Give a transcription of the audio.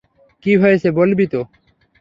কি হয়েছে বলবি তো?